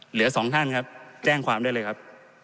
เหลือสองท่านครับแจ้งความได้เลยครับ